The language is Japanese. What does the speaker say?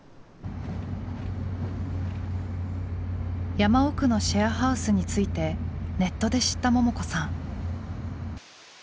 山奥のシェアハウスについてネットで知ったももこさん。